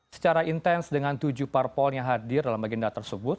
secara intens dengan tujuh parpol yang hadir dalam agenda tersebut